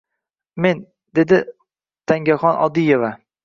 Men, dedi Tangaxon Oldieva